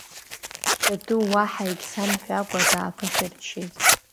Даду уаҳа егьсамҳәакәа дааԥышәарччеит.